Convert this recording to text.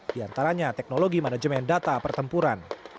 diantaranya teknologi manajemen data pertempuran